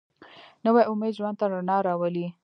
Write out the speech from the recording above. نوی امید ژوند ته رڼا راولي